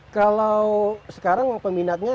kalau sekarang peminatnya